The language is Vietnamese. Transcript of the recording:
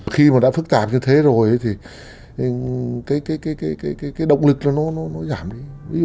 khi mà đã phức tạp như thế rồi thì cái động lực cho nó giảm đi